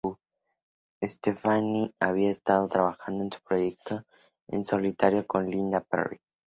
Stefani había estado trabajando en su proyecto en solitario con Linda Perry.